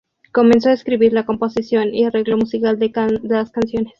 Comenzó a escribir la composición y arreglo musical de las canciones.